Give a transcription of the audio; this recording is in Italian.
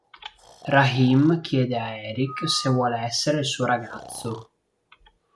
Rahim chiede a Eric se vuole essere il suo ragazzo.